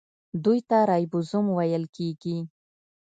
دوی ته رایبوزوم ویل کیږي.